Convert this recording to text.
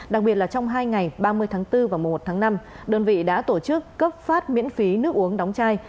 đặc biệt là trong hai ngày ba mươi tháng bốn và mùa một tháng năm đơn vị đã tổ chức cấp phát miễn phí nước uống đóng chai